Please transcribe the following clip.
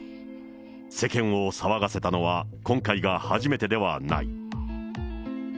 世間を騒がせたのは今回が初めてではない。